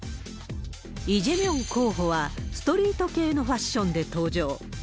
イ・ジェミョン候補は、ストリート系のファッションで登場。